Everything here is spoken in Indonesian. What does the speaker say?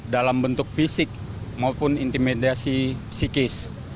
dalam bentuk fisik maupun intimidasi psikis